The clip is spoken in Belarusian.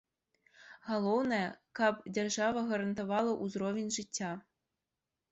Галоўнае, каб дзяржава гарантавала ўзровень жыцця.